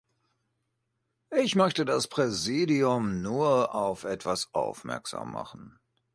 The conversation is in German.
Ich möchte das Präsidium nur auf etwas aufmerksam machen.